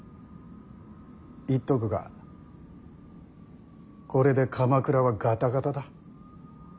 言っとくがこれで鎌倉はガタガタだ。